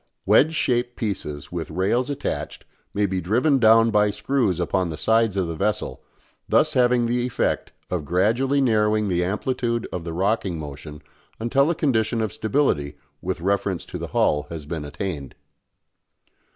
Wedge shaped pieces with rails attached may be driven down by screws upon the sides of the vessel, thus having the effect of gradually narrowing the amplitude of the rocking motion until a condition of stability with reference to the hull has been attained.